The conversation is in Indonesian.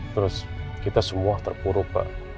terus kita semua terpuru pa